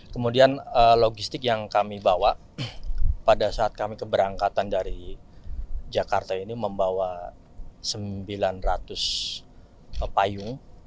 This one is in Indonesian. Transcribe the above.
kemudian logistik yang kami bawa pada saat kami keberangkatan dari jakarta ini membawa sembilan ratus payung